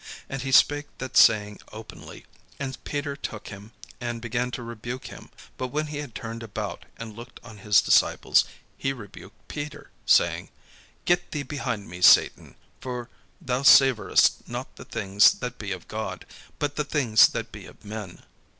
And he spake that saying openly. And Peter took him and began to rebuke him. But when he had turned about and looked on his disciples, he rebuked Peter, saying: "Get thee behind me, Satan: for thou savourest not the things that be of God, but the things that be of men."